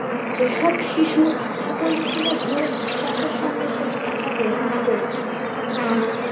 এসব শিশু আঠা পলিথিনে ভরে নিঃশ্বাসের সঙ্গে সেই আঠা গ্রহণ করছে।